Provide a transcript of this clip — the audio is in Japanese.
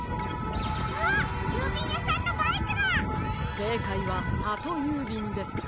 せいかいはハトゆうびんです。